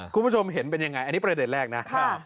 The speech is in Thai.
คุณผู้ชมเห็นเป็นยังไงอันนี้ประเด็นแรกนะ